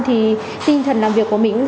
thì tinh thần làm việc của mình